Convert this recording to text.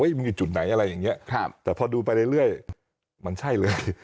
เฮ้ยมีจุดไหนอะไรอย่างเงี้ยครับแต่พอดูไปเรื่อยเรื่อยมันใช่เลย